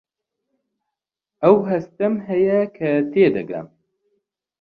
ئەو هەستەم هەیە کە تێدەگەم.